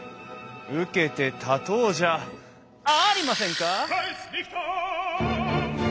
受けて立とうじゃありませんか！